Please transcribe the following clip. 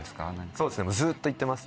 そうですねずっと言ってます。